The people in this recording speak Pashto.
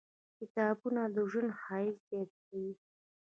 • کتابونه، د ژوند ښایست زیاتوي.